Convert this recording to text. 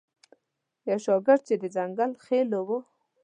یو شاګرد چې د ځنګل خیلو و.